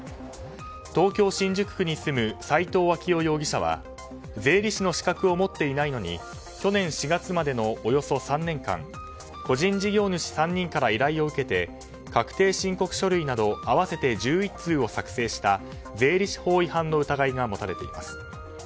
東京・新宿区に住む斉藤明雄容疑者は税理士の資格を持っていないのに去年４月までのおよそ３年間個人事業主３人から依頼を受けて確定申告書類など合わせて１１通を作成した税理士法違反の疑いが持たれています。